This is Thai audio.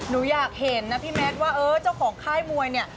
หนูอยากเห็นนะพี่แมทว่าเออเจ้าของค่ายมวยเนี่ย